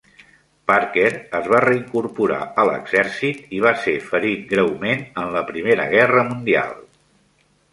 Parker es va reincorporar a l'exercit i va ser ferit greument en la Primera Gerra Mundial.